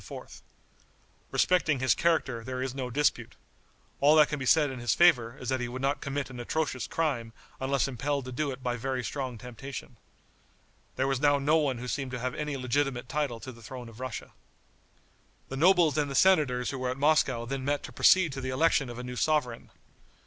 Respecting his character there is no dispute. All that can be said in his favor is that he would not commit an atrocious crime unless impelled to it by very strong temptation. There was now no one who seemed to have any legitimate title to the throne of Russia. The nobles and the senators who were at Moscow then met to proceed to the election of a new sovereign.